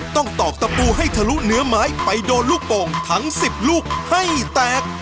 ตอกตะปูให้ทะลุเนื้อไม้ไปโดนลูกโป่งทั้ง๑๐ลูกให้แตก